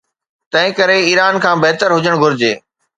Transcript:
تنهنڪري ايران کان بهتر هجڻ گهرجي.